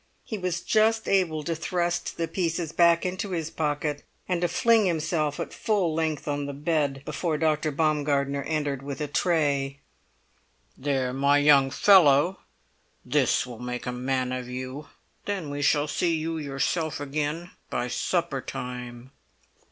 He was just able to thrust the pieces back into his pocket, and to fling himself at full length on the bed, before Dr. Baumgartner entered with a tray. "There, my young fellow! This will make a man of you! Then we shall see you yourself again by supper time."